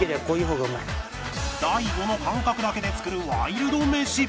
大悟の感覚だけで作るワイルドメシ